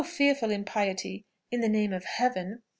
fearful impiety!) in the name of Heaven.